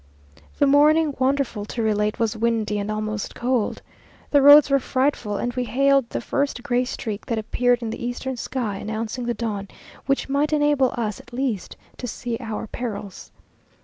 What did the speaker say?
The morning, wonderful to relate, was windy, and almost cold. The roads were frightful, and we hailed the first gray streak that appeared in the eastern sky, announcing the dawn, which might enable us at least to see our perils.